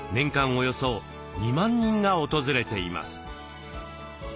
およそ２万人が訪れています。